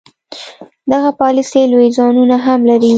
دغه پالیسي لوی زیانونه هم لري.